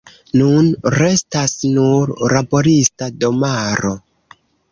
Nun restas nur laborista domaro.